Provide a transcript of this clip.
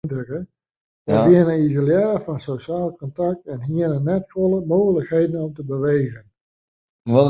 Hja wiene isolearre fan sosjaal kontakt en hiene net folle mooglikheden om te bewegen.